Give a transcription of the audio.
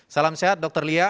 salam sehat dr lia